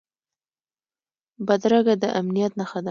بدرګه د امنیت نښه ده